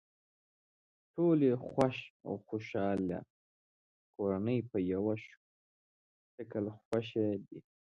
ټولې خوښ او خوشحاله کورنۍ په یوه شکل خوښې دي.